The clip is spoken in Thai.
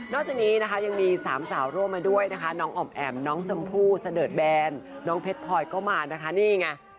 จากนี้นะคะยังมีสามสาวร่วมมาด้วยนะคะน้องออมแอ๋มน้องชมพู่เสดิร์ดแบนน้องเพชรพลอยก็มานะคะนี่ไง